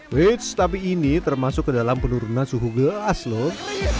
with tapi ini termasuk ke dalam penurunan suhu ges loh